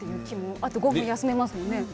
あと５分、休めますものね。